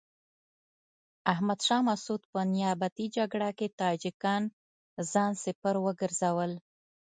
احمد شاه مسعود په نیابتي جګړه کې تاجکان ځان سپر وګرځول.